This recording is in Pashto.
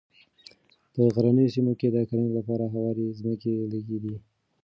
په غرنیو سیمو کې د کرنې لپاره هوارې مځکې لږې دي.